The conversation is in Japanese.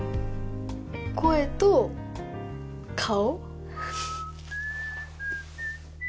声と顔